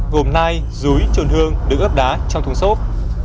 gồm nai rúi trồn hương được ấp đá trong thùng xốp